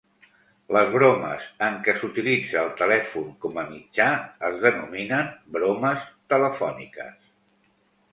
Les bromes en què s'utilitza el telèfon com a mitjà es denominen bromes telefòniques.